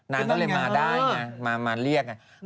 นางก็เลยมาได้ง่ะมาวิ่งแล้วกัน